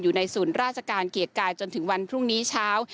อยู่ในศูนย์ราชการเกียรติกายจนถึงวันพรุ่งนี้เช้า